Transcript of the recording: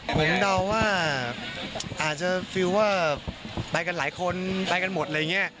ผมเดาว่าอาจจะฟิลเวอร์ไปกันหลายคนไปกันหมดอะไรอย่างนี้